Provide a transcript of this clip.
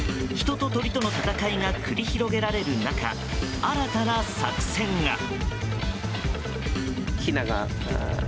人と鳥との戦いが繰り広げられる中新たな作戦が。